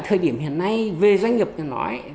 thời điểm hiện nay về doanh nghiệp như nói